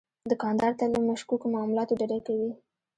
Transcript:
دوکاندار تل له مشکوکو معاملاتو ډډه کوي.